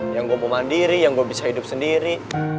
yang gue mau mandiri yang gue bisa hidup sendiri